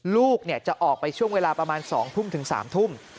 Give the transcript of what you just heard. ลูกจะออกไปช่วงเวลาประมาณ๒ทุ่มถึง๓ทุ่ม